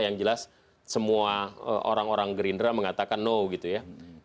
yang jelas semua orang orang gerindra mengatakan no gitu ya